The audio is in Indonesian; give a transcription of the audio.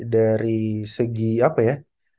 dari segi apa ya